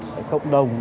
các doanh nghiệp